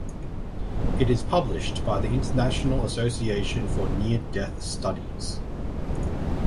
It is published by the International Association for Near-Death Studies.